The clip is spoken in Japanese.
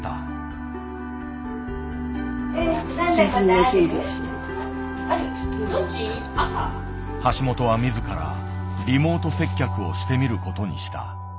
橋本は自らリモート接客をしてみることにした。